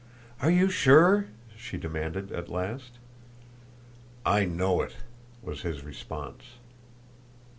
"Are you sure?" she demanded, at last. "I know it," was his response.